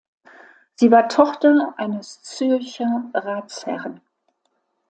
Sie war Tochter eines Zürcher Ratsherrn.